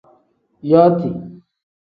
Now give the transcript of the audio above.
Yooti.